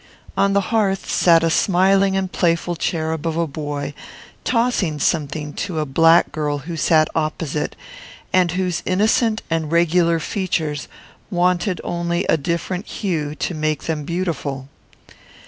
On the hearth sat a smiling and playful cherub of a boy, tossing something to a black girl who sat opposite, and whose innocent and regular features wanted only a different hue to make them beautiful.